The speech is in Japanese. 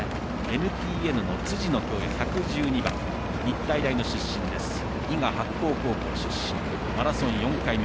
ＮＴＮの辻野恭哉１１２番、日体大の出身伊賀白鳳高校出身マラソン４回目。